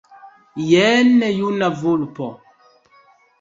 Jen juna vulpo.